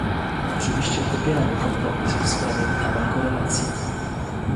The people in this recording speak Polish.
Oczywiście popieramy kompromis w sprawie tabel korelacji